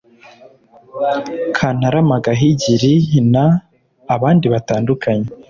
Kantarama Gahigiri n’abandi batandukanye